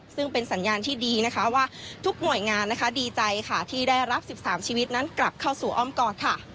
ซึ่งเป็นสัญญาณที่ดีว่าทุกหน่วยงานดีใจที่ได้รับสิบสามชีวิตนั้นกลับเข้าสู่อ้อมกอด